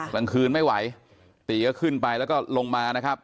กลางคืนไม่ไหวตีก็ขึ้นไปแล้วก็ลงมานะครับ